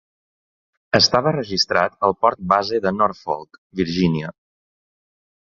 Estava registrat al port base de Norfolk, Virgínia.